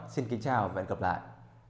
xin chào và hẹn gặp lại